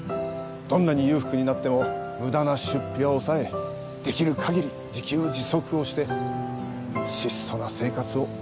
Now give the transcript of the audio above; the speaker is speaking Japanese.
どんなに裕福になっても無駄な出費は抑えできる限り自給自足をして質素な生活を心掛けているんです。